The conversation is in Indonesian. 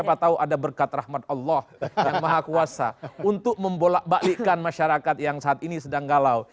tidak ada berkat rahmat allah yang maha kuasa untuk membalikkan masyarakat yang saat ini sedang galau